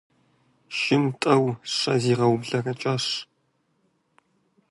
Шым тӀэу-щэ зигъэублэрэкӀащ.